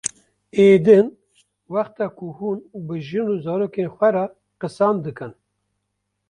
Ê din wexta ku hûn bi jin û zarokên xwe re qisan dikin